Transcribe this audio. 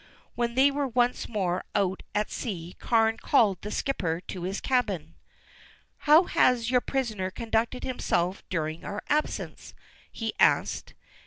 When they were once more out at sea Carne called the skipper to his cabin. "How has your prisoner conducted himself during our absence?" he asked.